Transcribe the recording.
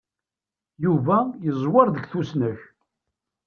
Yuba yeẓwwer deg tusnak.